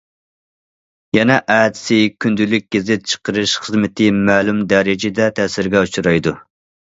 يەنى ئەتىسى كۈندىلىك گېزىت چىقىرىش خىزمىتى مەلۇم دەرىجىدە تەسىرگە ئۇچرايدۇ.